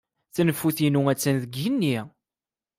Taneffut-inu attan deg yigenni.